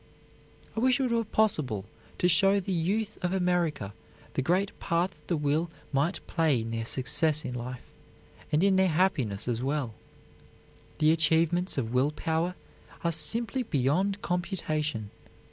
I wish it were possible to show the youth of America the great part that the will might play in their success in life and in their happiness as well. The achievements of will power are simply beyond computation.